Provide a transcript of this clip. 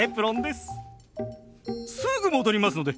すぐ戻りますので。